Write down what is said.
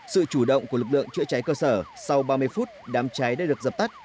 sự chủ động của lực lượng chữa cháy cơ sở sau ba mươi phút đám cháy đã được dập tắt